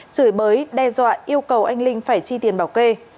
chửi bới đe dọa yêu cầu anh linh phải chi tiền bảo kê